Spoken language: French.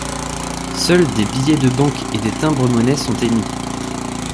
Seuls des billets de banque et des timbres-monnaie sont émis.